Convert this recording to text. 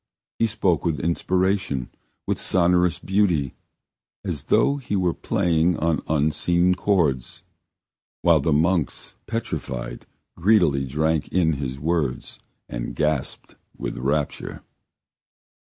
He spoke with inspiration, with sonorous beauty, as though he were playing on unseen chords, while the monks, petrified, greedily drank in his words and gasped with rapture.